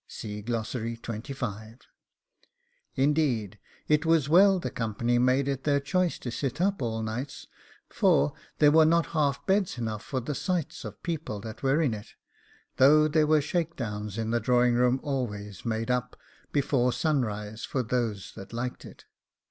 Indeed, it was well the company made it their choice to sit up all nights, for there were not half beds enough for the sights of people that were in it, though there were shake downs in the drawing room always made up before sunrise for those that liked it.